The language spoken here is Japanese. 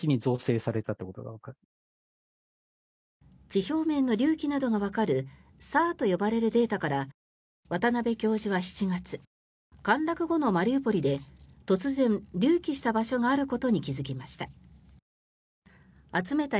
地表面の隆起などがわかるＳＡＲと呼ばれるデータから渡邉教授は７月陥落したあとのマリウポリで突然、隆起した場所があることに気付きました。